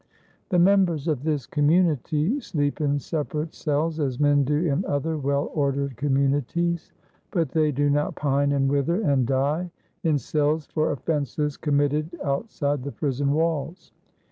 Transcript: The members of this community sleep in separate cells, as men do in other well ordered communities, but they do not pine and wither and die in cells for offenses committee outside the prison walls.